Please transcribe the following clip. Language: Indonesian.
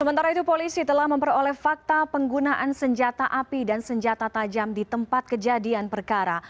sementara itu polisi telah memperoleh fakta penggunaan senjata api dan senjata tajam di tempat kejadian perkara